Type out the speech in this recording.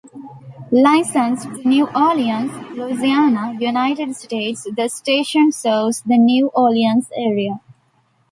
Licensed to New Orleans, Louisiana, United States, the station serves the New Orleans area.